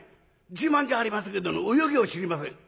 自慢じゃありませんけど泳ぎを知りません。